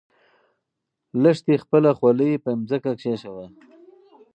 لښتې خپله ځولۍ په ځمکه کېښوده.